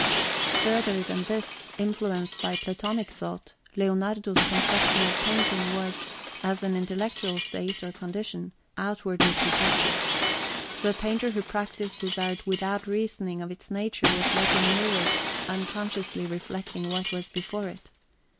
Further than this, influenced by Platonic thought, Leonardo's conception of painting was, as an intellectual state or condition, outwardly projected. The painter who practised his art without reasoning of its nature was like a mirror unconsciously reflecting what was before it.